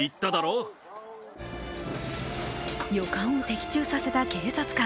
予感を的中させた警察官。